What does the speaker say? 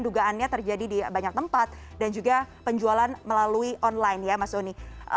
dugaannya terjadi di banyak tempat dan juga penjualan melalui online ya mas uni